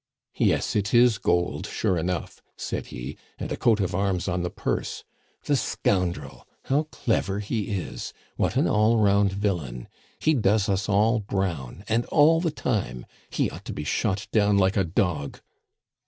"Yes, it is gold, sure enough!" said he, "and a coat of arms on the purse! The scoundrel! How clever he is! What an all round villain! He does us all brown and all the time! He ought to be shot down like a dog!"